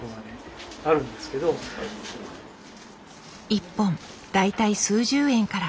１本大体数十円から。